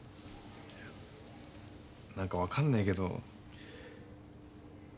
何か分かんねえけど。